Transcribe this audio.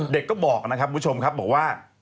เด็กก็บอกนะครับคุณผู้ชมครับบอกว่า